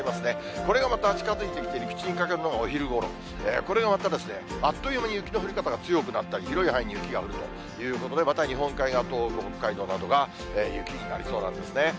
これがまた近づいてきて、陸地にかかるのがお昼ごろ、これがまたあっという間に雪の降り方が強くなったり、広い範囲に雪が降るということで、また日本海側、東北、北海道などが、雪になりそうなんですね。